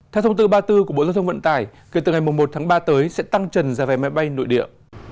theo thông tư ba mươi bốn của bộ giao thông vận tải kể từ ngày một tháng ba tới sẽ tăng trần giá vé máy bay nội địa